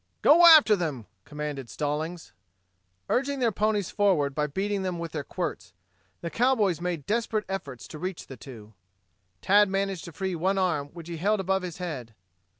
"Go after them!" commanded Stallings. Urging their ponies forward by beating them with their quirts, the cowboys made desperate efforts to reach the two. Tad managed to free one arm which he held above his head.